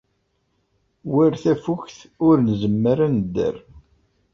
War tafukt, ur nzemmer ad nedder.